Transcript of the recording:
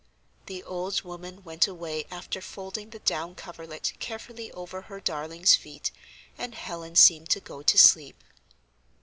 The old woman went away after folding the down coverlet carefully over her darling's feet, and Helen seemed to go to sleep.